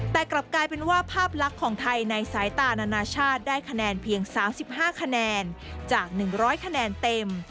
แต่กลับกลายเป็นว่าภาพลักษณ์ของไทยในสายตานานาชาติได้คะแนนเพียง๓๕คะแนนจาก๑๐๐คะแนนเต็ม